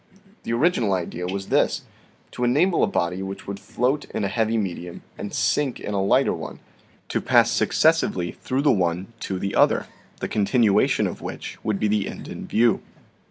The original idea was this to enable a PERPETUAL MOTION 57 body which would float in a heavy medium and sink in a lighter one, to pass successively through the one to the other, the continuation of which would be the end in view.